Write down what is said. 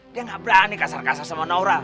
dia gak berani kasar kasar sama naura